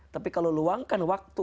tapi kalau luangkan waktu